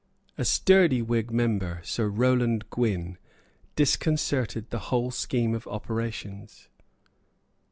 A sturdy Whig member, Sir Rowland Gwyn, disconcerted the whole scheme of operations.